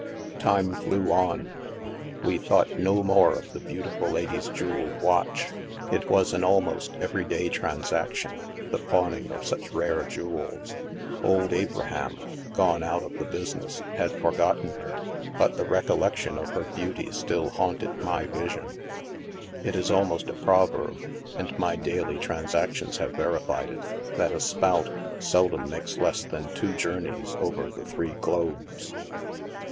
Time ilew on ; we thought no more of the beautiful lady's jeweled watch ; it was an almost e very day transaction, the pawning of sueh rare jewels. Old Abraham, gone out of the busi ness, had forgotten her, but the recollection of her beauty still haunted my vision. It is almost a proverb, and my daily transac tions have verified it, that a " spout" seldom makes less than two journeys over the three globes.